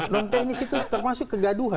non teknis itu termasuk kegaduhan